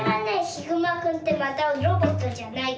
ヒグマくんってまたロボットじゃないから。